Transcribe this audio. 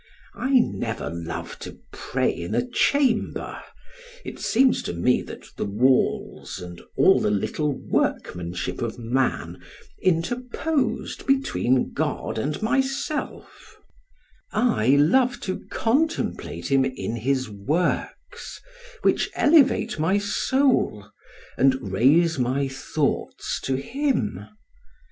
I never love to pray in a chamber; it seems to me that the walls and all the little workmanship of man interposed between God and myself: I love to contemplate Him in his works, which elevate my soul, and raise my thoughts to Him.